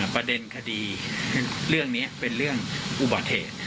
ประเด็นคดีเรื่องนี้เป็นเรื่องอุบัติเหตุ